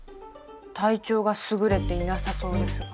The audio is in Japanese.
体調がすぐれていなさそうですが。